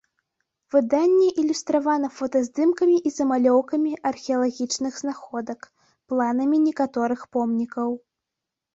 Выданне ілюстравана фотаздымкамі і замалёўкамі археалагічных знаходак, планамі некаторых помнікаў.